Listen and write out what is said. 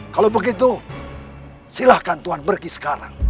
kalau begitu silahkan tuhan pergi sekarang